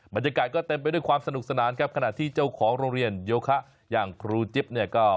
บรรยากาศก็เต็มไปด้วยความสนุกสนานครับขณะที่เจ้าของโรงเรียนโยคะอย่างครูจิ๊บเนี่ยก็